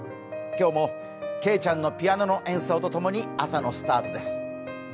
今日もけいちゃんのピアノの演奏とともに、朝のスタートです。